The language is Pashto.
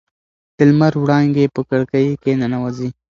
د لمر وړانګې په کړکۍ کې ننوځي.